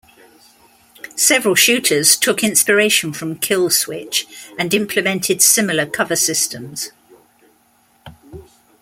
Several shooters took inspiration from "Kill Switch" and implemented similar cover systems.